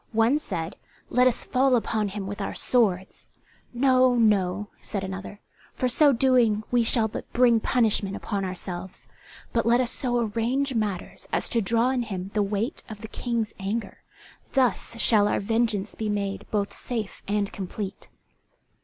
One said, "Let us fall upon him with our swords." "No, no," said another, "for so doing we shall but bring punishment upon ourselves. But let us so arrange matters as to draw on him the weight of the King's anger; thus shall our vengeance be made both safe and complete."